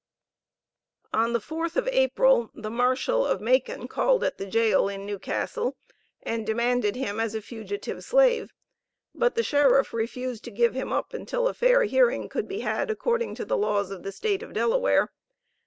On the fourth of April, the Marshal of Macon called at the jail in Newcastle, and demanded him as a fugitive slave, but the Sheriff refused to give him up until a fair hearing could be had according to the laws of the State of Delaware.